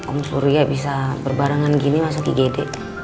om surya bisa berbarangan gini masuk igd